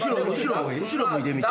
後ろ向いてみて。